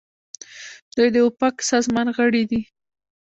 دوی د اوپک سازمان غړي دي.